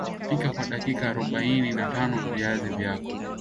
pika kwa dakika arobaini na tano viazi vyako